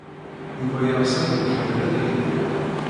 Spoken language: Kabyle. Yuba yeɣs ad ikemmel ad yedder.